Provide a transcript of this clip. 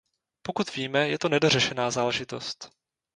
Pokud víme, je to nedořešená záležitost.